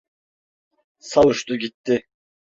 Savuştu gitti...